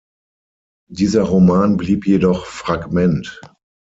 Dieser Roman blieb jedoch Fragment.